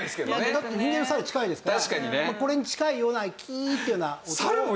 だって人間とサル近いですからこれに近いようなキーっていうような音を。